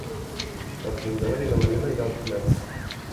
Per Sant Jordi na Mariona irà al cinema.